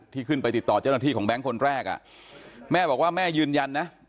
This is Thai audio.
ที่ขึ้นไปติดต่อเจ้าหน้าที่ของแบงค์คนแรกอ่ะแม่บอกว่าแม่ยืนยันนะ